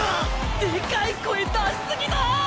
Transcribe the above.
でかい声出し過ぎた！